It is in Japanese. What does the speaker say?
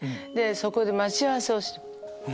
そこで待ち合わせをしてた。